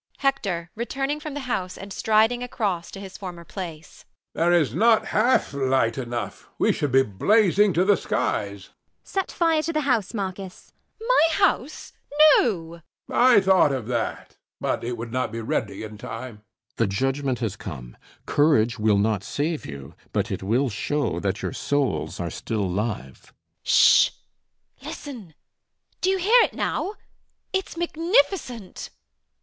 HECTOR [returning from the house and striding across to his former place]. There is not half light enough. We should be blazing to the skies. ELLIE [tense with excitement]. Set fire to the house, Marcus. MRS HUSHABYE. My house! No. HECTOR. I thought of that; but it would not be ready in time. CAPTAIN SHOTOVER. The judgment has come. Courage will not save you; but it will show that your souls are still live. MRS HUSHABYE. Sh sh! Listen: do you hear it now? It's magnificent.